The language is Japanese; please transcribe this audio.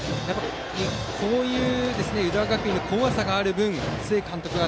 こうした浦和学院の怖さがある分須江監督は。